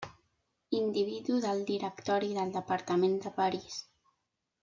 Individu del Directori del departament de París.